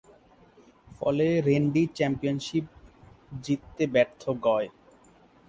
ফলে রেন্ডি চ্যাম্পিয়নশিপ জিততে ব্যর্থ গয়।